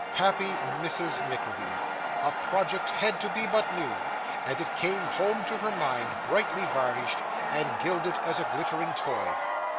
Happy Mrs. Nickleby! A project had but to be new, and it came home to her mind, brightly varnished and gilded as a glittering toy.